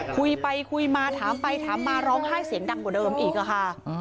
คุยไปคุยมาถามไปถามมาร้องไห้เสียงดังกว่าเดิมอีกอะค่ะ